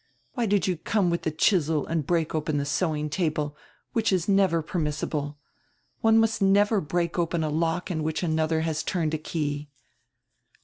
Why did you come with the chisel and break open the sewing table, which is never per missible? One must never break open a lock in which another has turned a key."